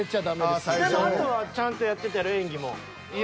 でもあとはちゃんとやってたやろ演技も。